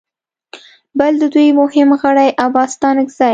بل د دوی مهم غړي عباس ستانکزي